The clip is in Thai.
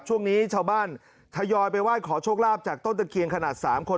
ช่วงนี้ชาวบ้านทยอยไปไหว้ขอโชคลาภจากต้นตะเคียนขนาด๓คน